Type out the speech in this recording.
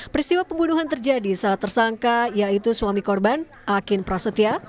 peristiwa pembunuhan terjadi saat tersangka yaitu suami korban akin prasetya